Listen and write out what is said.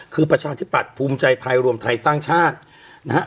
คือประชาธิปัตย์ภูมิใจไทยรวมไทยสร้างชาตินะฮะ